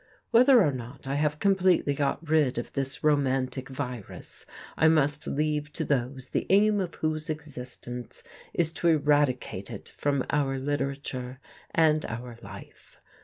Whether or not I have completely got rid of this romantic virus I must leave to those the aim of whose existence is to eradicate it from our literature and our life.